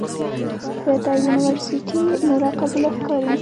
ده ته یونورسټي نوره قبوله ښکاري.